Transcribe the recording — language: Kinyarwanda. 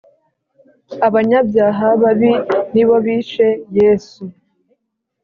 Abanyababyaha babi nibo bishe Yesu